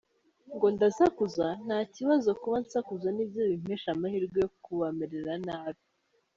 Ngo ndasakuza ? Nta kibazo, kuba nsakuza nibyo bimpesha amahirwe yo kubamerera nabi.